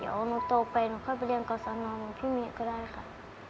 เดี๋ยวหนูโตไปหนูค่อยไปเรียนกรสนพี่เมย์ก็ได้ค่ะ